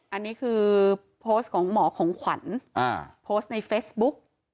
อันนี้คือโพสต์ของหมอของขวัญโพสต์ในเฟซบุ๊ก